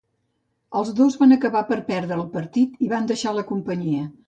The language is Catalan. Els dos van acabar per perdre el partit i van deixar la companyia.